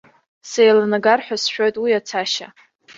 Сеиланагар ҳәа сшәоит уи ацашьа.